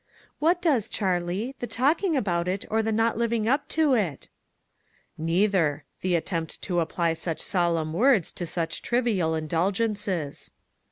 " What does, Charlie, the talking about it, or the not living up to it?" " Neither ; the attempt to apply such sol emn words to such trivial indulgences."